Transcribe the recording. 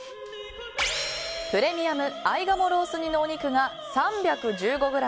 プレミアム合鴨ロース煮のお肉が３１５ｇ